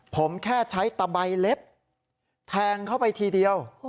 ผมแค่ใช้ตะใบเล็บแทงเข้าไปทีเดียว